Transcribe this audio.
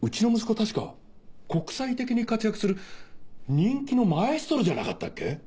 確か国際的に活躍する人気のマエストロじゃなかったっけ？